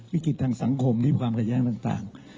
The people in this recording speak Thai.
วิกฤติทางสังคมที่ความขัดแย้งต่าง